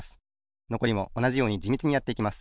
のこりもおなじようにじみちにやっていきます。